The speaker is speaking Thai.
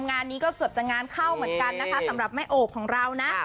งานนี้ก็เกือบจะงานเข้าเหมือนกันนะคะสำหรับแม่โอบของเรานะ